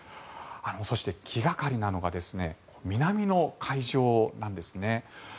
そして、気掛かりなのが南の海上なんですね。